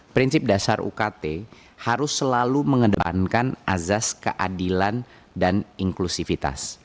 prinsip dasar ukt harus selalu mengedepankan azas keadilan dan inklusivitas